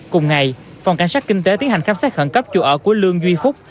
cùng ngày phòng cảnh sát kinh tế tiến hành khám xét khẩn cấp chủ ở của lương duy phúc